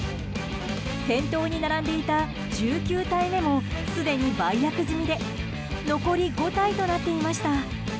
店頭に並んでいた１９体目もすでに売約済みで残り５体となっていました。